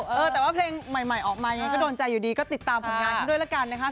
เออแต่ว่าเพลงใหม่ออกมายังไงก็โดนใจอยู่ดีก็ติดตามผลงานเขาด้วยละกันนะคะ